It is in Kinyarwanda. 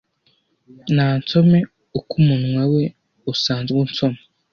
Nansome uko umunwa we usanzwe unsoma!